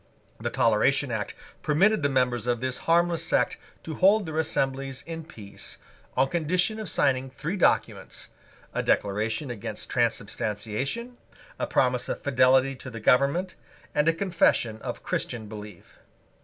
The Toleration Act permitted the members of this harmless sect to hold their assemblies in peace, on condition of signing three documents, a declaration against Transubstantiation, a promise of fidelity to the government, and a confession of Christian belief.